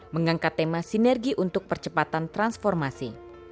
mengangkat tema sinergi untuk percepatan transformasi